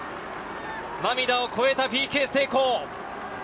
涙を超えたＰＫ成功！